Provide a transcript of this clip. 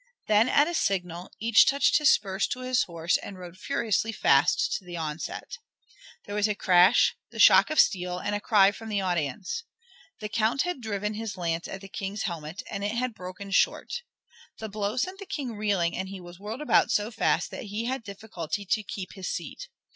Then at a signal each touched his spurs to his horse, and rode furiously fast to the onset. There was a crash, the shock of steel, and a cry from the audience. The Count had driven his lance at the King's helmet, and it had broken short. The blow sent the King reeling and he was whirled about so fast that he had difficulty to keep his seat.